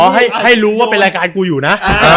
ให้รู้ว่าเป็นรายการกูอยู่นะ